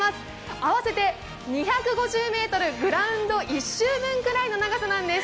合わせて２５０ｍ、グラウンド１周分くらいの長さです。